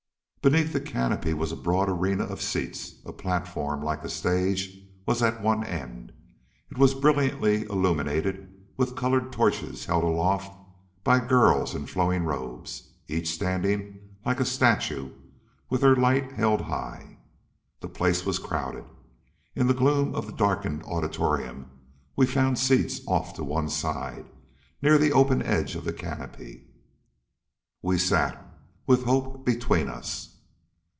Beneath the canopy was a broad arena of seats. A platform, like a stage, was at one end. It was brilliantly illuminated with colored torches held aloft by girls in flowing robes, each standing like a statue with her light held high. The place was crowded. In the gloom of the darkened auditorium we found seats off to one side, near the open edge of the canopy. We sat, with Hope between us.